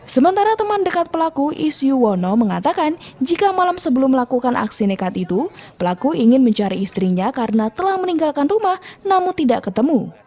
sementara teman dekat pelaku isyu wono mengatakan jika malam sebelum melakukan aksi nekat itu pelaku ingin mencari istrinya karena telah meninggalkan rumah namun tidak ketemu